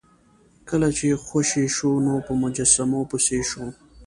کله چې خوشې شو نو په مجسمو پسې شو.